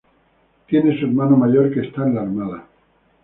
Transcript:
Tiene un hermano mayor que está en la armada.